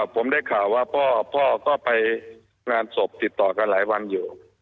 ผมได้ข่าวว่าพ่อก็ไปงานศพติดต่อกันหลายวันอยู่